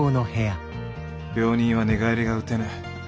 病人は寝返りが打てぬ。